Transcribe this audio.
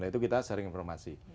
nah itu kita sering informasi